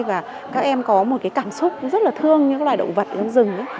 và các em có một cảm xúc rất là thương những loài động vật ở rừng